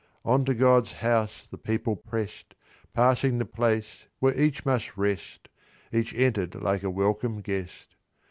On to God's house the people prest: Passing the place where each must rest, Each enter'd like a welcome guest.